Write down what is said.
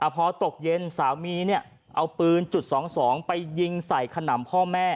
พอตกเย็นสามีเอาปืนจุด๒๒ไปยิงใส่ขนำพ่อแม่